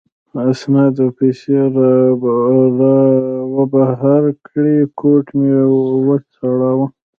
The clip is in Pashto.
اسناد او پیسې را وبهر کړې، کوټ مې و ځړاوه.